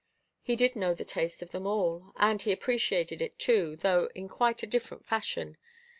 He did know the taste of them all, and he appreciated it, too, though in quite a different fashion.